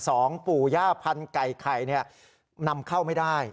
สองปู่ย่าพันไก่ไข่เนี่ยนำเข้าไม่ได้